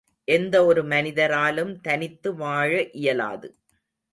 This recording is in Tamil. எந்த ஒரு மனிதராலும் தனித்து வாழ இயலாது.